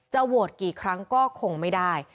โหวตกี่ครั้งก็คงไม่ได้